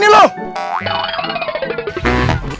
keluar nomor dua